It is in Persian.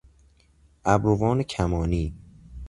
ابروان کمانی